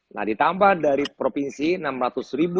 nah ditambah dari provinsi rp enam ratus ribu